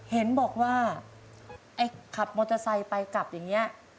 เห็นบอกว่าไอ้ขับมอเตอร์ไซค์ไปกลับอย่างนี้